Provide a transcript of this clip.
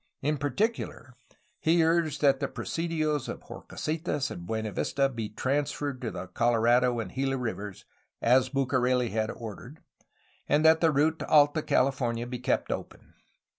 In particular he urged that the presidios of Horcasitas and Buenavista be transferred to the Colorado and Gila rivers, as Bucareli had ordered, and that the route to Alta California be kept open.